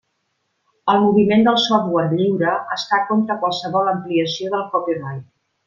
El moviment del software lliure està contra qualsevol ampliació del copyright.